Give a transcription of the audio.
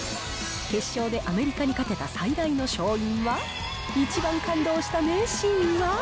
決勝でアメリカに勝てた最大の勝因は、一番感動した名シーンは。